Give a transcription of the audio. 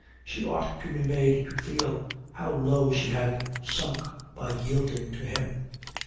She ought to be made to feel how low she had sunk by yielding to him.